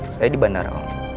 saya di bandara om